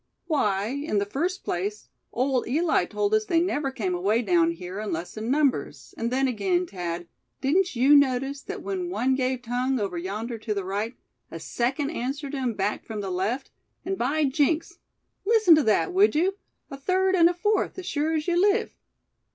"Why, in the first place, old Eli told us they never came away down here unless in numbers; and then again, Thad, didn't you notice that when one gave tongue over yonder to the right, a second answered him back from the left; and by jinks! listen to that, would you, a third and a fourth, as sure as you live!